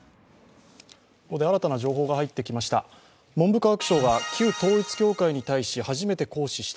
ここで新たな情報が入ってきました。